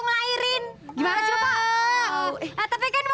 ngelahirin gimana coba tapi kan